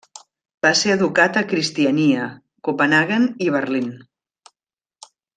Va ser educat a Cristiania, Copenhaguen i Berlín.